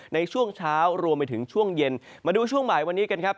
ในช่วงเช้ารวมไปถึงช่วงเย็นมาดูช่วงบ่ายวันนี้กันครับ